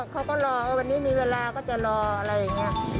เขาก็รอว่าวันนี้มีเวลาก็จะรออะไรอย่างนี้